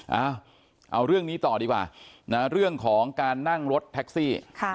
เอาเรื่องนี้ต่อดีกว่านะเรื่องของการนั่งรถแท็กซี่